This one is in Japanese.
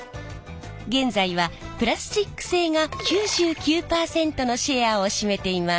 現在はプラスチック製が９９％のシェアを占めています。